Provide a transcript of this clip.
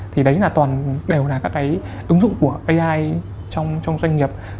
thì đấy là toàn đều là các cái ứng dụng của ai trong doanh nghiệp